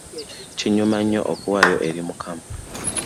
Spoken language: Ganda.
Kinyuma nnyo okuwaayo eri Mukama.